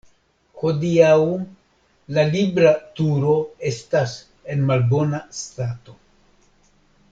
Hodiaŭ la Libra Turo estas en malbona stato.